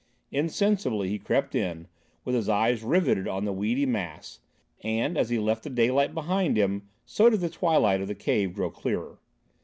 Insensibly, he crept in, with his eyes riveted on the weedy mass and, as he left the daylight behind him, so did the twilight of the cave grow clearer.